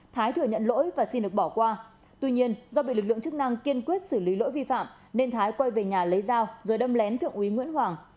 thái thừa nhận lỗi và xin được bỏ qua tuy nhiên do bị lực lượng chức năng kiên quyết xử lý lỗi vi phạm nên thái quay về nhà lấy dao rồi đâm lén thượng úy nguyễn hoàng